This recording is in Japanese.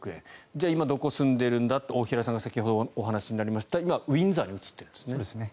じゃあ今、どこに住んでいるんだ大平さんが先ほどお話になりました今、ウィンザーに移っているんですね。